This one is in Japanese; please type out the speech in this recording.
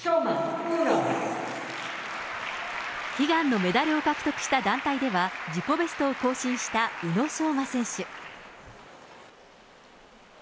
悲願のメダルを獲得した団体では、自己ベストを更新した宇野昌磨選手。